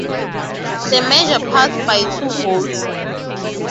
The measure passed by two votes.